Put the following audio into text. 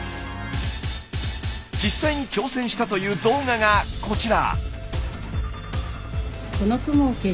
実際に挑戦したという動画がこちら。